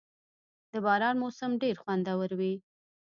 • د باران موسم ډېر خوندور وي.